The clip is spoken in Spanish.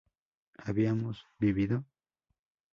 ¿habíamos vivido?